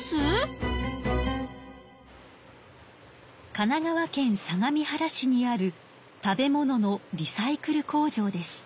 神奈川県相模原市にある食べ物のリサイクル工場です。